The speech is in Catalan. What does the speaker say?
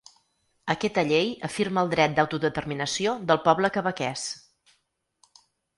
Aquesta llei afirma el dret d’autodeterminació del poble quebequès.